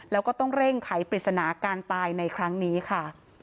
แล้วก็ต้องเร่งไขปริศนาการตายในครั้งนี้ค่ะ